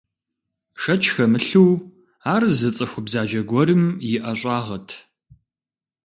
Шэч хэмылъу, ар зы цӀыху бзаджэ гуэрым и ӀэщӀагъэт.